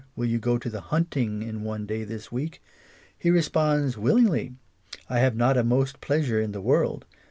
will you go to the hunting in one day this week ?" he responds " Willing ly ; I have not a most pleasure in the world.